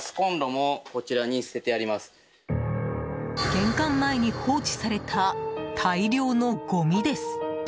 玄関前に放置された大量のごみです。